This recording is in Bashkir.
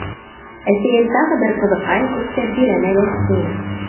Әсәйем тағы бер ҡыҙыҡай эштәп бирәм әле, тине...